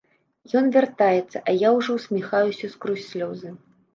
Ён вяртаецца, а я ўжо ўсміхаюся скрозь слёзы.